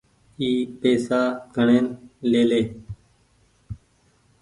اي پئيسا گڻين ليلي ۔